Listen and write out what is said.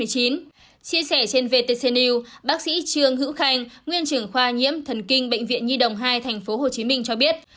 chia sẻ trên vtc news bác sĩ trương hữu khanh nguyên trưởng khoa nhiễm thần kinh bệnh viện nhi đồng hai tp hcm cho biết